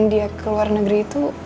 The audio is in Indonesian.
tapi dengan dia ke luar negeri itu